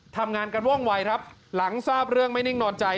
ทำงานกันว่องวัยครับหลังทราบเรื่องไม่นิ่งนอนใจ